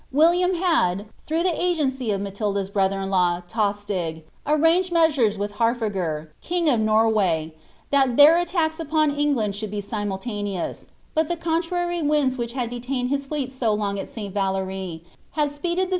William had, through the agency of >latilda'» brother I'Totttg. arranged measures with Ilarloger, king of Norway, that 1 rlll&cks upon England should be simultaneous; but the contrary v ITlii^ had detained his Seels so long ai St Valleri, had speeded the